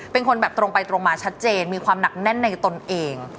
เป็นคนแบบตรงไปตรงมาชัดเจนมีความหนักแน่นในตนเอง